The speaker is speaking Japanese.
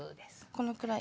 このくらい？